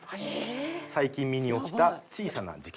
最近身に起きた小さな事件です。